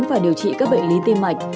và điều trị các bệnh lý tim mạch